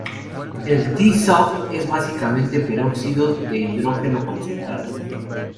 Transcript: El T-Stoff es básicamente peróxido de hidrógeno concentrado.